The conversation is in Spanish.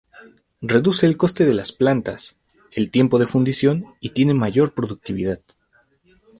Reduce el coste de las plantas, el tiempo de fundición y tiene mayor productividad.